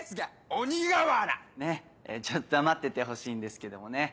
鬼瓦！ねぇちょっと黙っててほしいんですけどもね。